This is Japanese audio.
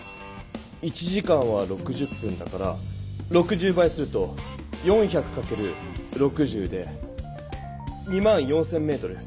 １時間は６０分だから６０倍すると４００かける６０で２４０００メートル。